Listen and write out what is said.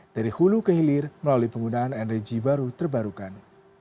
dari hulu ke hilir melalui penggunaan energi baru terbarukan